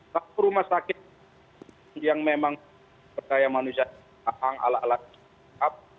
kalau rumah sakit yang memang berdaya manusia ala ala sikap